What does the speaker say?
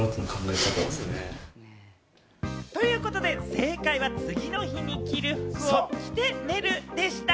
正解は、次の日に着る服を着て寝るでした。